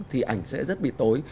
thì ảnh sẽ rất bị tối